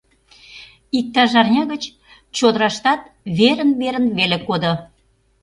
Иктаж арня гыч чодыраштат верын-верын веле кодо.